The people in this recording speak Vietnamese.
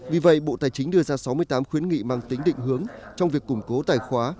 vì vậy bộ tài chính đưa ra sáu mươi tám khuyến nghị mang tính định hướng trong việc củng cố tài khóa